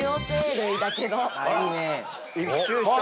１周した。